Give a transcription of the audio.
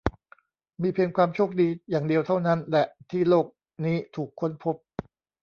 มีเพียงความโชคดีอย่างเดียวเท่านั้นแหละ ที่โลกนี้ถูกค้นพบ